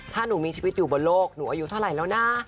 ถ้าหนูมีชีวิตอยู่บนโลกหนูอายุเท่าไหร่แล้วนะ